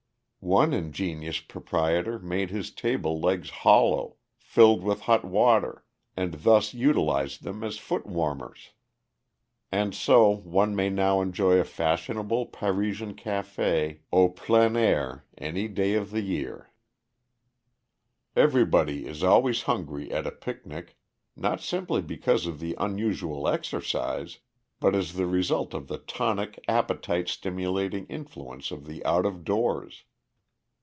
One ingenious proprietor made his table legs hollow, filled with hot water, and thus utilized them as foot warmers. And so one may now enjoy a fashionable Parisian café au plein air any day in the year. Everybody is always hungry at a picnic, not simply because of the unusual exercise, but as the result of the tonic appetite stimulating influence of the out of doors.